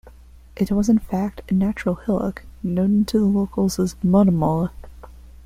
It was in fact, a natural hillock, known to the locals as "Modimolle".